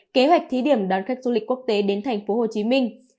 kế hoạch thí điểm đón khách du lịch quốc tế đến thành phố hồ chí minh